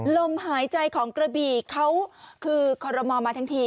ลมหายใจของกระบี่เขาคือคอรมอลมาทั้งที